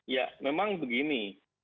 ya memang begini